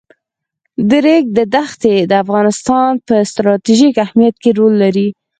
د ریګ دښتې د افغانستان په ستراتیژیک اهمیت کې رول لري.